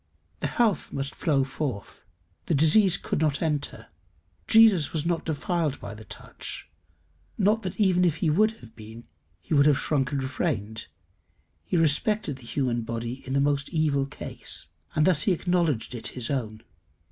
The health must flow forth; the disease could not enter: Jesus was not defiled by the touch. Not that even if he would have been, he would have shrunk and refrained; he respected the human body in most evil case, and thus he acknowledged it his own.